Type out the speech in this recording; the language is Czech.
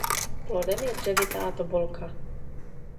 Plodem je dřevitá tobolka.